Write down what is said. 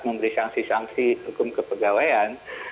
memberi sanksi sanksi hukum kepegawaian